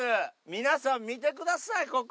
皆さん、見てください、ここ。